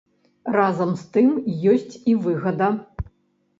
Разам з тым ёсць і выгада.